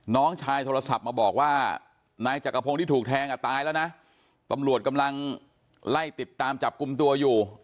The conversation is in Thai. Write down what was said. น้องชายโทรศัพท์มาบอกว่านายจักรพงศ์ที่ถูกแทงอ่ะตายแล้วนะตำรวจกำลังไล่ติดตามจับกลุ่มตัวอยู่